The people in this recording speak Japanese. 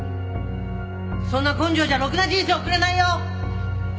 そんな根性じゃろくな人生送れないよ！